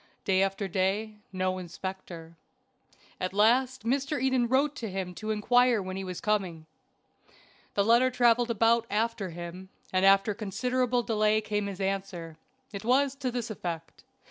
Day after day no inspector. At last Mr. Eden wrote to him to inquire when he was coming. The letter traveled about after him, and after a considerable delay came his answer. It was to this effect.